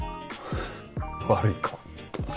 悪いか？